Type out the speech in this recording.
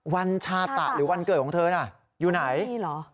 วันชาตะหรือวันเกิดของเธอน่ะอยู่ไหน